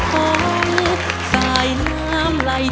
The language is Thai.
จะใช้หรือไม่ใช้ครับ